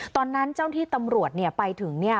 ตอนนั้นเจ้าที่ตำรวจเนี่ยไปถึงเนี่ย